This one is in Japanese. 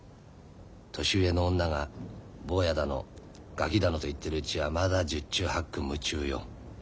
年上の女が「坊や」だの「ガキ」だのと言ってるうちはまだ十中八九夢中よ。